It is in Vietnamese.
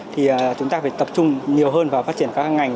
thì chúng ta phải tập trung nhiều hơn vào phát triển các ngành